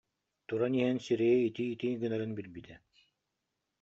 Туран иһэн, сирэйэ итий-итий гынарын билбитэ